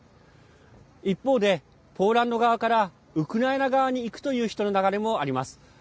一方で、ポーランド側からウクライナ側に行くという人の流れもあります。